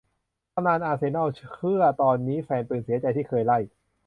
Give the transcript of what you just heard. ตำนาน อาร์เซนอล เชื่อตอนนี้แฟนปืนเสียใจที่เคยไล่